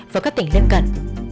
và các tỉnh lên cận